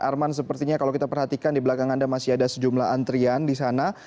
arman sepertinya kalau kita perhatikan di belakang anda masih ada sejumlah antrian di sana